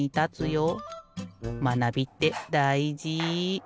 まなびってだいじ。